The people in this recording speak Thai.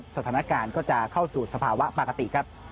สถานการณ์ก็จะเข้ามาสภาวะปกติ